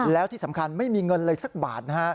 แล้วที่สำคัญไม่มีเงินเลยสักบาทนะฮะ